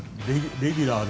レギュラーで。